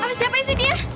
habis diapain sih dia